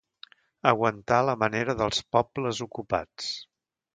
Aguantar a la manera dels pobles ocupats.